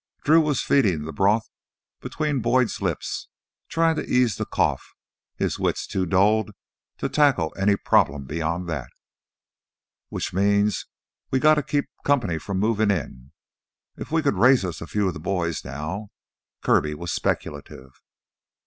Drew was feeding the broth between Boyd's lips, trying to ease the cough, his wits too dulled to tackle any problem beyond that. "Which means we gotta keep company from movin' in. If we could raise us a few of the boys now...." Kirby was speculative.